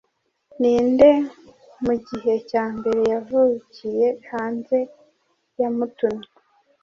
Ninde mugihe cyambere yavukiye hanze yamutumye